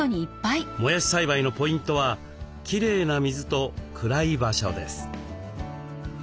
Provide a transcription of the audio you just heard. もやし栽培のポイントはきれいな水と暗い場所です。